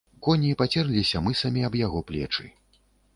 Коні пацерліся мысамі аб яго плечы.